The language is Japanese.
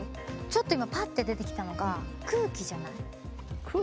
ちょっと今パッて出てきたのが空気？